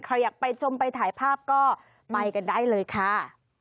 อยากไปชมไปถ่ายภาพก็ไปกันได้เลยค่ะ